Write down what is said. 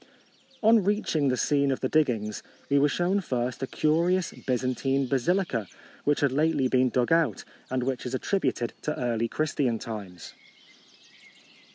On reaching the scene of the dig gings, we were shown first a curious Byzantine basilica, which had lately been dug out, and which is attrib uted to early Christian times.